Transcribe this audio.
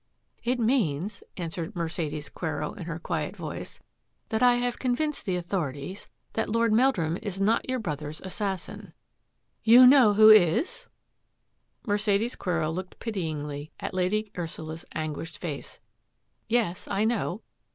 " It means," answered Mercedes Quero in her quiet voice, " that I have convinced the authorities that Lord Meldrum is not your brother's assassin." 888 THAT AFFAIR AT THE MANOR " You know who is? " Mercedes Quero looked pityingly at Lady Ursula's anguished face. " Yes ; I know."